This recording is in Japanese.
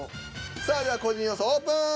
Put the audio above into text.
さあでは個人予想オープン。